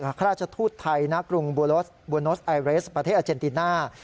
ข้าราชทูตไทยณกรุงบัวโลสบัวโนสไอเรสประเทศอาเจนติน่า